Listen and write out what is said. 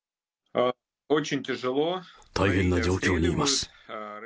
大変な状況にいます。